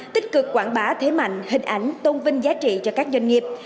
tích cực quảng bá thế mạnh hình ảnh tôn vinh giá trị cho các doanh nghiệp